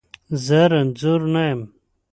زه رنځور نه یم.